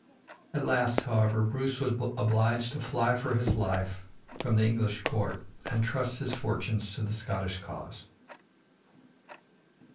At last, however, Bruce was obliged to fly for his life from the English court and trust his fortunes to the Scottish cause.